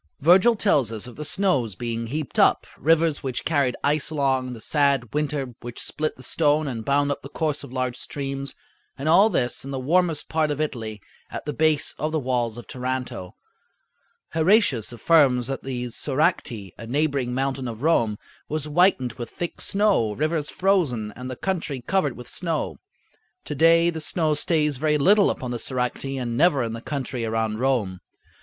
Virgil tells us of the snows being, heaped up, rivers which carried ice along, the sad winter which split the stone and bound up the course of large streams, and all this in the warmest part of Italy, at the base of the walls of Taranto. Heratius affirms that the Soracte, a neighboring mountain of Rome, was whitened with thick snow, rivers frozen, and the country covered with snow. To day the snow stays very little upon the Soracte and never in the country around Rome.